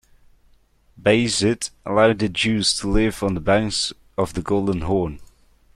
Bayezid allowed the Jews to live on the banks of the Golden Horn.